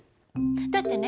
だってね